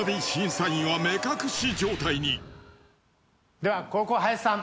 では後攻林さん